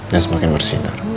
dan semakin bersinar